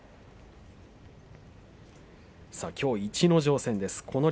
きょうは逸ノ城戦です。